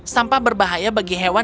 sampah berbahaya bagi hewan